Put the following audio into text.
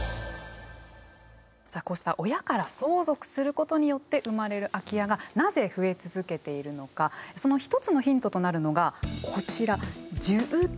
さあこうした親から相続することによって生まれる空き家がなぜ増え続けているのかその一つのヒントとなるのがこちら住宅